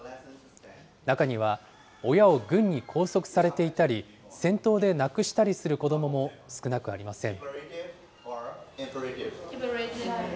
中には、親を軍に拘束されていたり、戦闘でなくしたりする子どもも少なくありません。